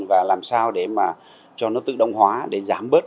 và làm sao để mà cho nó tự động hóa để giảm bớt